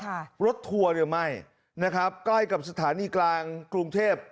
รถทัวร์หรือไม่นะครับใกล้กับสถานีกลางกรุงเทพ